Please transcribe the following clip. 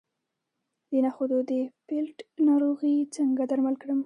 د نخودو د پیلټ ناروغي څنګه درمل کړم؟